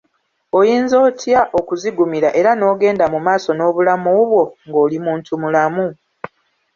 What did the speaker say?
Oyinza otya okuzigumira era n'ogenda mu maaso n'obulamu bwo ng'oli muntu mulamu?